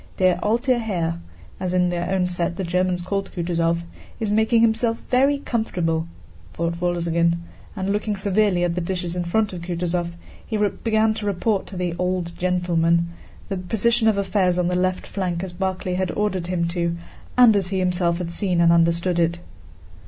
"Der alte Herr" (as in their own set the Germans called Kutúzov) "is making himself very comfortable," thought Wolzogen, and looking severely at the dishes in front of Kutúzov he began to report to "the old gentleman" the position of affairs on the left flank as Barclay had ordered him to and as he himself had seen and understood it.